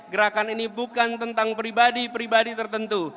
gerakan ini bukan tentang pribadi pribadi tertentu